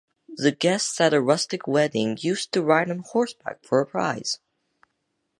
The guests at a rustic wedding used to ride on horseback for a prize.